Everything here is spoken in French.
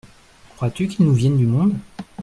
Crois-tu qu’il nous vienne du monde ?…